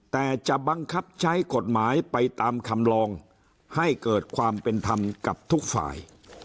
แต่จะบังคับใช้กฎหมายไปตามคำลองให้เกิดความเป็นธรรมกับทุกฝ่าย